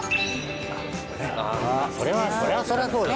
それはそりゃそうよ。